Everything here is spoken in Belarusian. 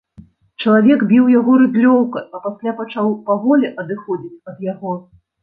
Чалавек біў яго рыдлёўкай, а пасля пачаў паволі адыходзіць ад яго.